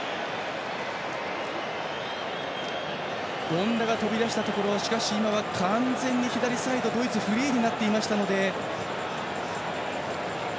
権田が飛び出したところしかし今は完全に左サイドドイツ、フリーだったので。